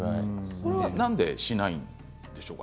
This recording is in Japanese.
それはなんでしないんでしょうか？